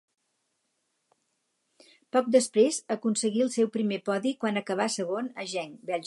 Poc després, aconseguí el seu primer podi quan acabà segon a Genk, Bèlgica.